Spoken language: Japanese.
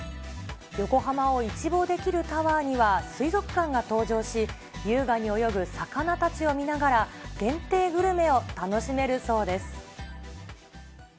横浜を一望できるタワーには、水族館が登場し、優雅に泳ぐ魚たちを見ながら、限定グルメを楽しめるそうです。